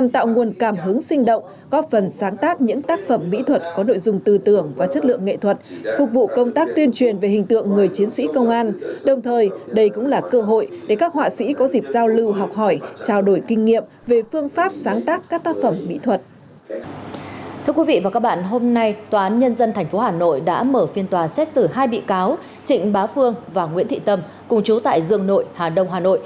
trịnh bá phương và nguyễn thị tâm cùng chú tại dương nội hà đông hà nội